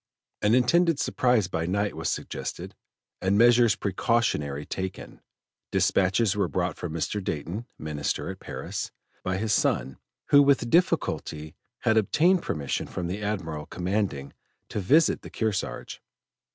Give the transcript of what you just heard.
An intended surprise by night was suggested, and measures precautionary taken. Dispatches were brought from Mr. Dayton, Minister at Paris, by his son, who with difficulty had obtained permission from the Admiral commanding to visit the Kearsarge.